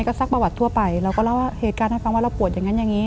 ก็ซักประวัติทั่วไปเราก็เล่าเหตุการณ์ให้ฟังว่าเราปวดอย่างนั้นอย่างนี้